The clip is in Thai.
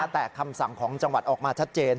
แต่คำสั่งของจังหวัดออกมาชัดเจน